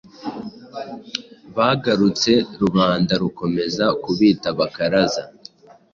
bagarutse rubanda rukomeza kubita Abakaraza ,